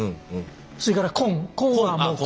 それから「根」。